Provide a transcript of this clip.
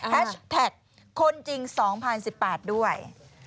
แท็กคนจริง๒๐๑๘ด้วย